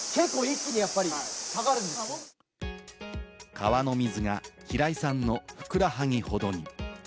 川の水が平井さんのふくらはぎほどに。